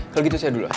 kalau gitu saya dulu ya